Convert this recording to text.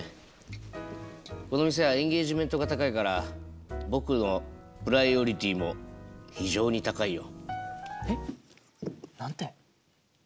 この店はエンゲージメントが高いから僕のプライオリティも非常に高いよ。